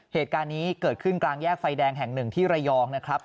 เหตุการณ์นี้เกิดขึ้นกลางแยกไฟแดงแห่งหนึ่งที่ระยองนะครับ